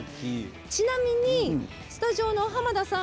ちなみに、スタジオの濱田さん